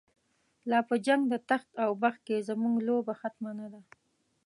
لا په جنگ د تخت او بخت کی، زمونږ لوبه ختمه نده